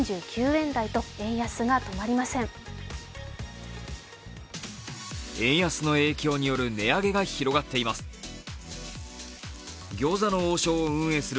円安の影響による値上げが広がっています。